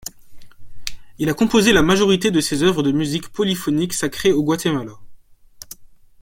Il a composé la majorité de ses œuvres de musique polyphonique sacrée au Guatemala.